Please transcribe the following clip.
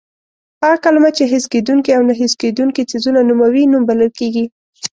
هغه کلمه چې حس کېدونکي او نه حس کېدونکي څیزونه نوموي نوم بلل کېږي.